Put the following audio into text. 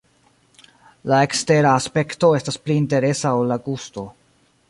La ekstera aspekto estas pli interesa ol la gusto.